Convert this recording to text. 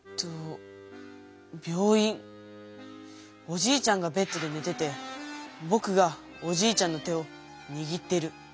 おじいちゃんがベッドでねててぼくがおじいちゃんの手をにぎってる。